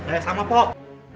eh sama pok